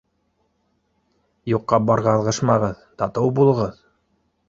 Юҡҡа-барға ыҙғышмағыҙ, татыу булығыҙ!